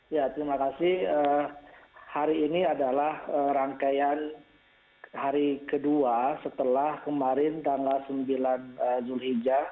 ya terima kasih hari ini adalah rangkaian hari kedua setelah kemarin tanggal sembilan julhijjah